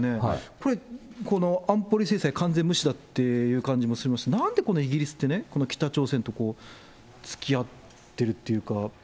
これ、安保理制裁完全無視だっていう感じもしますし、なんでこんな、イギリスって、北朝鮮とこう、つきあってるっていうか。